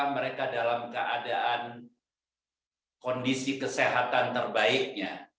mereka dalam keadaan kondisi kesehatan terbaiknya